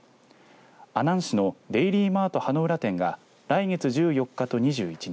阿南市のデイリーマート羽ノ浦店が来月１４日と２１日。